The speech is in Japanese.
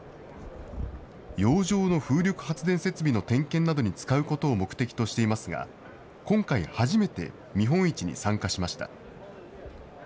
洋上の風力発電設備の点検などに使うことを目的としていますが、今回初めて、見本市に参加しました。